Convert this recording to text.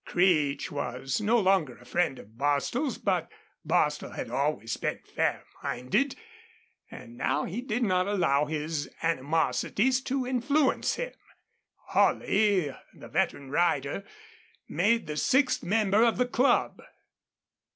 Creech was no longer a friend of Bostil's, but Bostil had always been fair minded, and now he did not allow his animosities to influence him. Holley, the veteran rider, made the sixth member of the club.